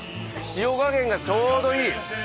塩加減がちょうどいい！